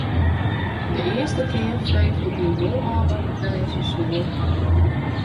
De earste kear frege ik my wol ôf wat it wêze soe.